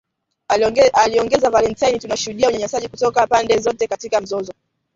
aliongeza Valentine ,Tunashuhudia unyanyasaji kutoka pande zote katika mzozo